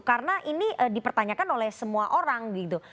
karena ini dipertanyakan oleh semua orang gitu